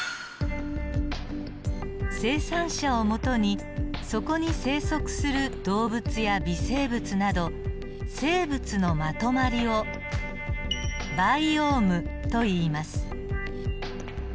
生産者を基にそこに生息する動物や微生物など生物のまとまりをバイオームといいます。